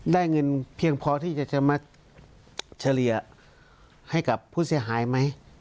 ได้เงินเพียงพอที่จะมาเฉลี่ยให้กับผู้เสียหายไหม